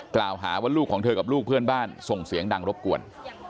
กล่าวหาว่าลูกของเธอกับลูกเพื่อนบ้านส่งเสียงดังรบกวน